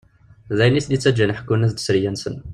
D ayen iten-ittaǧǧan ḥekkun-as-d sseriya-nsen.